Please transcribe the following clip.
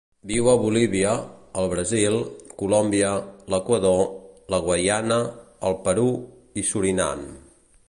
Viu a Bolívia, el Brasil, Colòmbia, l'Equador, la Guaiana, el Perú i Surinam.